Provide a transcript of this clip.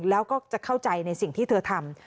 แล้วก็จะเข้าใจในสิ่งที่เธอทำ